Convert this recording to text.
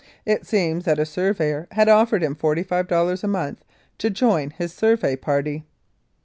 It seems that a surveyor had offered him $45 a month to join his survey party.